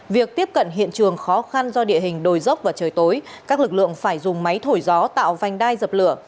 việc tiếp cận hiện trường khó khăn do địa hình đồi dốc và trời tối các lực lượng phải dùng máy thổi gió tạo vành đai dập lửa